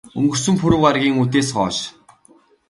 Өнгөрсөн пүрэв гаригийн үдээс хойш.